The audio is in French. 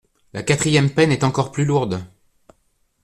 La quatrième peine est encore plus lourde.